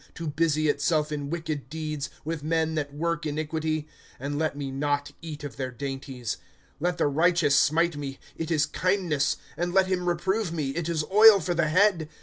To busy itself in wicked deeds, "With men that work iniquity ; And let me not eat of their dainties. ■^ Let the righteous smite me, it is kindness ; And let him reprove me, it is oil for the head.